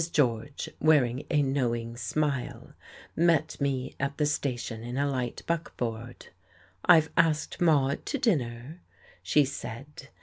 George, wearing a knowing smile, met me at the station in a light buck board. "I've asked Maude to dinner," she said....